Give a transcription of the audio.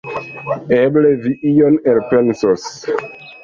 Eble, vi ion elpensos.